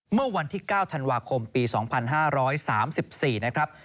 เมื่อวันที่๙ธันวาคมปี๒๕๓๔นะครับ